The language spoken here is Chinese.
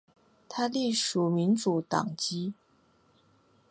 他隶属民主党籍。